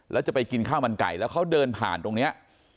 แล้วจะไปกินข้าวมันไก่แล้วเขาเดินผ่านตรงนี้